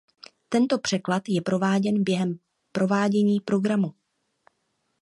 Tento překlad je prováděn během provádění programu.